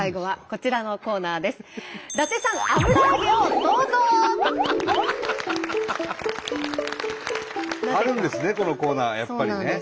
このコーナーはやっぱりね。